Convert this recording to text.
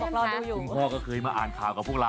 คุณพ่อก็เคยมาอ่านข่าวกับพวกเรา